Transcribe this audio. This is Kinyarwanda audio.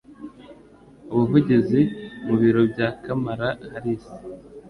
ubuvugizi mu biro bya Kamala Harris.